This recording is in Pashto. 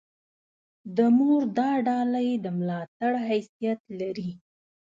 د مور دا ډالۍ د ملاتړ حیثیت لري.